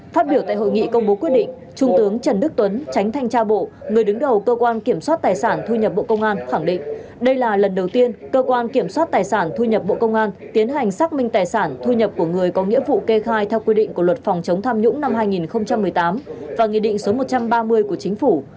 phát biểu tại hội nghị công bố quyết định trung tướng trần đức tuấn tránh thanh tra bộ người đứng đầu cơ quan kiểm soát tài sản thu nhập bộ công an khẳng định đây là lần đầu tiên cơ quan kiểm soát tài sản thu nhập bộ công an tiến hành xác minh tài sản thu nhập của người có nghĩa vụ kê khai theo quy định của luật phòng chống tham nhũng năm hai nghìn một mươi tám và nghị định số một trăm ba mươi của chính phủ